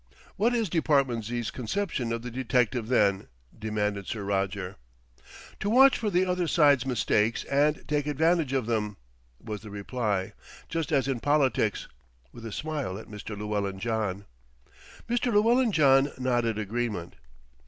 "What is Department Z.'s conception of the detective then?" demanded Sir Roger. "To watch for the other side's mistakes and take advantage of them," was the reply, "just as in politics," with a smile at Mr. Llewellyn John. Mr. Llewellyn John nodded agreement.